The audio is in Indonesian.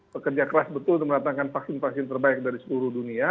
bekerja keras betul untuk mendatangkan vaksin vaksin terbaik dari seluruh dunia